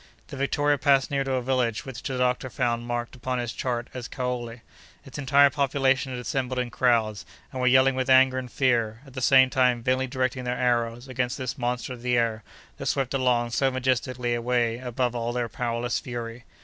The Victoria passed near to a village which the doctor found marked upon his chart as Kaole. Its entire population had assembled in crowds, and were yelling with anger and fear, at the same time vainly directing their arrows against this monster of the air that swept along so majestically away above all their powerless fury.